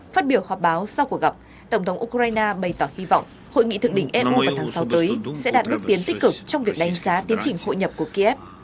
phát biểu họp báo sau cuộc gặp tổng thống ukraine bày tỏ hy vọng hội nghị thượng đỉnh eu vào tháng sáu tới sẽ đạt bước tiến tích cực trong việc đánh giá tiến trình hội nhập của kiev